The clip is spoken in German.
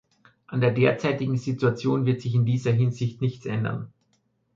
An der derzeitigen Situation wird sich in dieser Hinsicht nichts ändern.